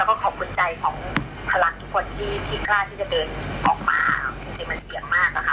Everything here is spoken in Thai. แล้วก็ขอบคุณใจของพลังทุกคนที่กล้าที่จะเดินออกมา